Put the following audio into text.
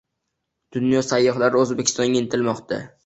Dunyo sayyohlari O‘zbekistonga intilmoqda